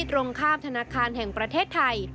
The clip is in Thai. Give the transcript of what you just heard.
ตรงข้ามธนาคารแห่งประเทศไทย